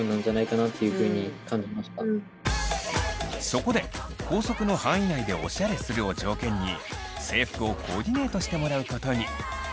そこで校則の範囲内でオシャレするを条件に制服をコーディネートしてもらうことに。